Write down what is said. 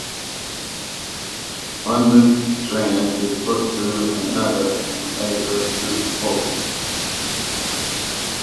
One loop strand is put through another and the latter loop pulled.